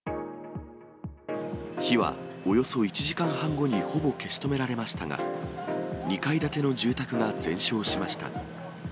火はおよそ１時間半後にほぼ消し止められましたが、２階建ての住宅が全焼しました。